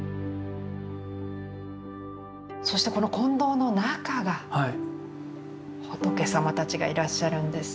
そしてこの金堂の中が仏様たちがいらっしゃるんです。